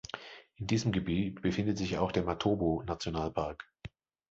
In diesem Gebiet befindet sich auch der Matobo-Nationalpark.